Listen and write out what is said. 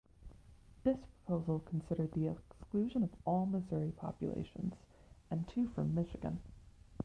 This proposal considered the exclusion of all Missouri populations and two from Michigan.